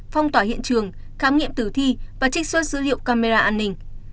phong tỏa hiện trường khám nghiệm tử thi và trích xuất dữ liệu camera an ninh